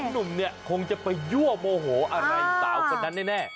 ๒หนุ่มคงไปยั่วโมโหอะไรสาวกันแน่